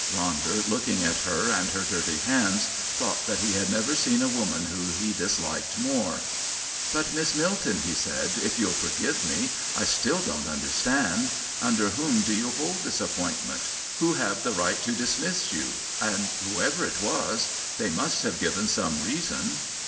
Ronder, looking at her and her dirty hands, thought that he had never seen a woman whom he disliked more. "But, Miss Milton," he said, "if you'll forgive me, I still don't understand. Under whom do you hold this appointment? Who have the right to dismiss you? and, whoever it was, they must have given some reason."